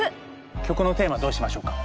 曲のテーマどうしましょうか？